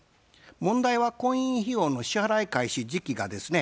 問題は婚姻費用の支払い開始時期がですね